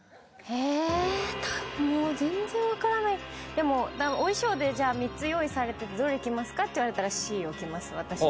でもお衣装でじゃあ３つ用意されてて「どれ着ますか？」って言われたらＣを着ます私は。